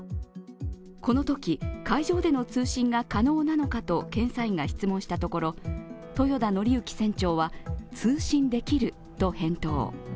このとき、海上での通信が可能なのかと検査員が質問したところ豊田徳幸船長は通信できると返答。